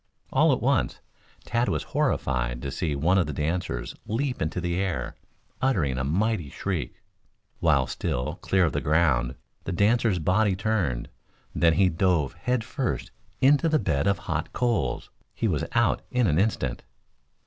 All at once, Tad was horrified to see one of the dancers leap into the air, uttering a mighty shriek. While still clear of the ground the dancer's body turned, then he dove head first into the bed of hot coals. He was out in an instant.